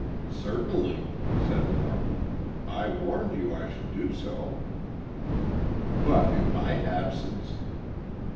"Certainly," said Morton, "I warned you I should do so." "But, in my absence!"